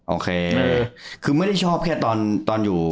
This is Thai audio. โอเคคือไม่ได้ชอบแค่ตอนอยู่